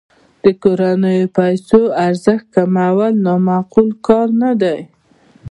د کورنیو پیسو ارزښت کمول نا معقول کار نه دی.